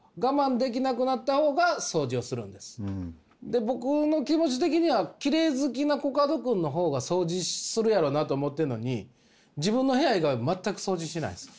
で僕の気持ち的にはきれい好きなコカド君の方が掃除するやろうなと思ってんのに自分の部屋以外全く掃除しないんです。